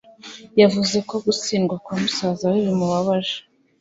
Yavuze ko gutsindwa kwa musaza we bimubabaje.